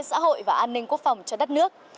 xã hội và an ninh quốc phòng cho đất nước